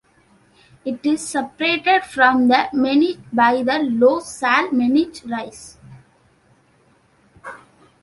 It is separated from the Manych by the low Sal-Manych Rise.